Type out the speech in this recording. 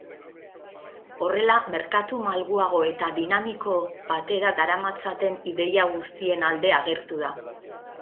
Horrela, merkatu malguago eta dinamiko batera daramatzaten ideia guztien alde agertu da.